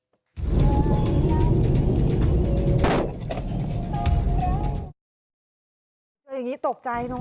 อย่างนี้ตกใจเนอ